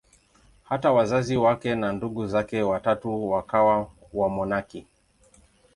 Hata wazazi wake na ndugu zake watatu wakawa wamonaki.